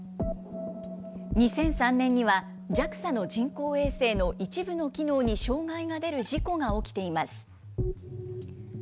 ２００３年には、ＪＡＸＡの人工衛星の一部の機能に障害が出る事故が起きています。